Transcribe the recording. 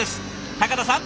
高田さん